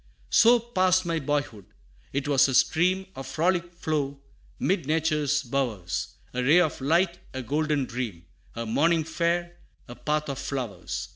VIII. "So passed my boyhood; 'twas a stream Of frolic flow, 'mid Nature's bowers; A ray of light a golden dream A morning fair a path of flowers!